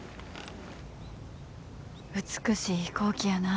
美しい飛行機やな。